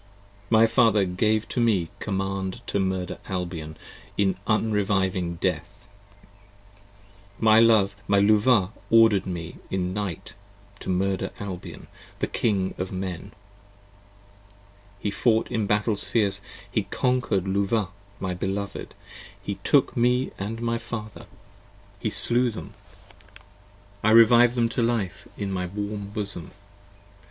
My Father gave to me command to murder Albion In unreviving Death: my Love, my Luvah order'd me in night To murder Albion, the King of Men: he fought in battles fierce, He conquer'd Luvah my beloved: he took me and my Father, 20 He slew them: I revived them to life in my warm bosom.